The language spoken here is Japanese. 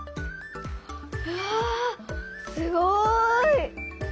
うわすごい！